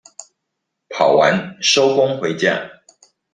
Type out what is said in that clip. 跑完收工回家